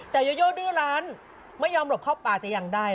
แต่โยโยดื้อร้านไม่ยอมหลบเข้าป่าแต่อย่างใด